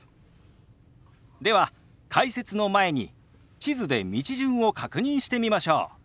では解説の前に地図で道順を確認してみましょう。